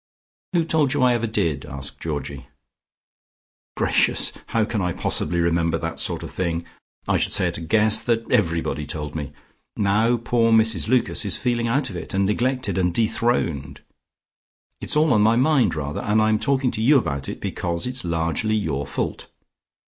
"Who told you I ever did?" asked Georgie. "Gracious! How can I possibly remember that sort of thing? I should say at a guess that everybody told me. Now poor Mrs Lucas is feeling out of it, and neglected and dethroned. It's all on my mind rather, and I'm talking to you about it, because it's largely your fault.